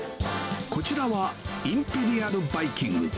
こちらは、インペリアルバイキング。